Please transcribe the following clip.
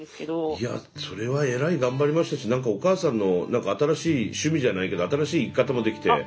いやそれはえらい頑張りましたし何かお母さんの新しい趣味じゃないけど新しい生き方もできて。